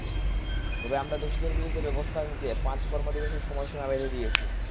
তবে আমরা দোষীদের বিরুদ্ধে ব্যবস্থা নিতে পাঁচ কর্মদিবসের সময়সীমা বেঁধে দিয়েছি।